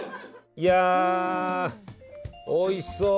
いやおいしそう。